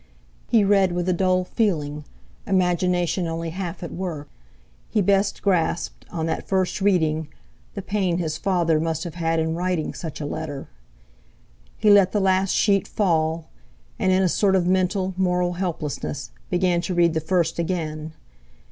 He read with a dull feeling—imagination only half at work. He best grasped, on that first reading, the pain his father must have had in writing such a letter. He let the last sheet fall, and in a sort of mental, moral helplessness began to read the first again.